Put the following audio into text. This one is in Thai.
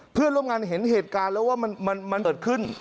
เพื่อนร่วมงานเลยว่ามันเกิดขึ้น